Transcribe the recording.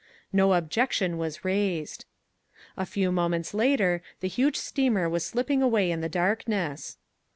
No objection was raised. A few moments later the huge steamer was slipping away in the darkness.